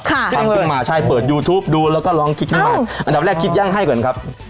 ทำขึ้นมาใช่เปิดยูทูปดูแล้วก็ลองคิดขึ้นมาอันดับแรกคิดย่างให้ก่อนครับ